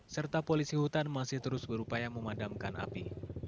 serta polisi hutan masih terus berupaya memadamkan api